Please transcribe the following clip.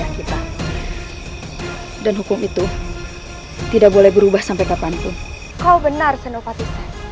menjaga kaki di wilayah kita dan hukum itu tidak boleh berubah sampai kapanku kau benar senopati